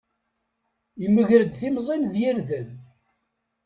Yemger-d timẓin d yirden.